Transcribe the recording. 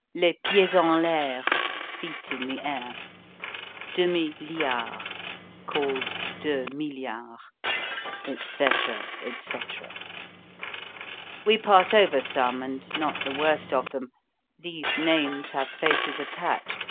Les pieds en l'Air. (Feet in the air.) Demi Liard, called Deux Milliards. Etc., etc. We pass over some, and not the worst of them. These names have faces attached.